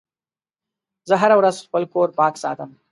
زه هره ورځ خپل کور پاک ساتم.